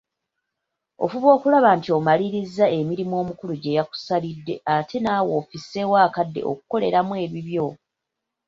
Ofuba okulaba nti omaliririza emirimu omukulu gye yakusalidde ate naawe ofisseewo akadde okukoleramu ebibyo.